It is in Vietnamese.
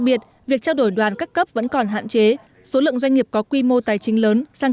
biệt việc trao đổi đoàn các cấp vẫn còn hạn chế số lượng doanh nghiệp có quy mô tài chính lớn sang